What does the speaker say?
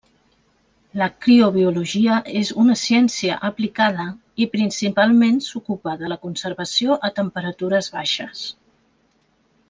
La criobiologia és una ciència aplicada i principalment s'ocupa de la conservació a temperatures baixes.